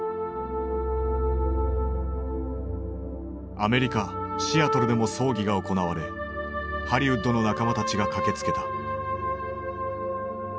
アメリカ・シアトルでも葬儀が行われハリウッドの仲間たちが駆けつけた。